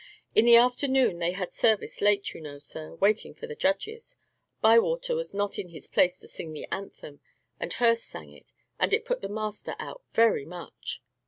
"In the afternoon they had service late, you know, sir, waiting for the judges Bywater was not in his place to sing the anthem, and Hurst sang it, and it put the master out very much."